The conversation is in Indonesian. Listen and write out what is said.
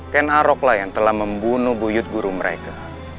ken arok lah yang telah membunuh buyut guru mereka